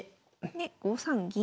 で５三銀。